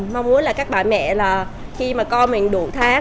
mong muốn là các bà mẹ là khi mà con mình đủ tháng